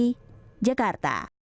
kriya putri jakarta